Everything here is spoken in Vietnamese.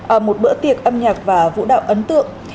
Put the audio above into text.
ở một bữa tiệc âm nhạc và vũ đạo ấn tượng